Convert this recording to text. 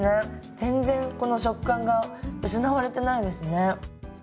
全然この食感が失われてないですね。